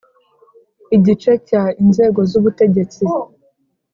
Igice cya Inzego z ubutegetsi